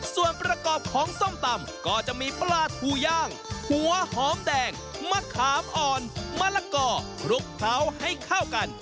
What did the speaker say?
ส่วนประกอบของส้มตำก็จะมีปลาทูย่างหัวหอมแดงมะขามอ่อนมะละกอคลุกเคล้าให้เข้ากัน